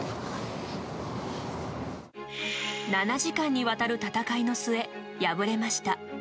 ７時間にわたる戦いの末敗れました。